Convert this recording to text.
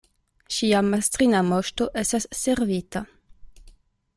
Ŝia mastrina Moŝto estas servita!